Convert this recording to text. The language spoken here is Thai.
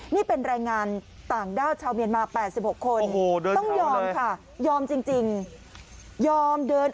นี่เป็นแรงงานต่างด้าวชาวเมียนมา๘๖คน